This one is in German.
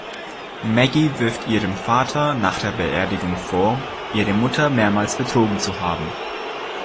Maggie wirft ihrem Vater nach der Beerdigung vor, ihre Mutter mehrmals betrogen zu haben.